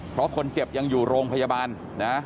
เพราะคนเจ็บยังอยู่โรงพยาบาลนะ